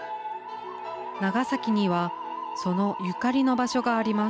長崎にはそのゆかりの場所があります。